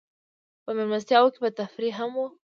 په مېلمستیاوو کې به تفریح هم وه.